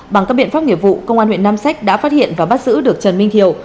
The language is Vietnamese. bằng các biện pháp nghiệp vụ công an huyện nam sách đã phát hiện và bắt giữ được trần minh thiệu